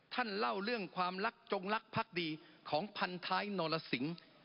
ท่านเล่าเรื่องความรักจงรักภักดีของพันท้ายนรสิง